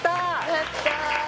やった！